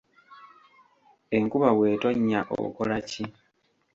Enkuba bw'etonnya okola ki?